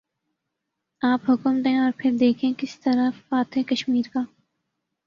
آپ حکم دیں اور پھر دیکھیں کہ کس طرح فاتح کشمیر کا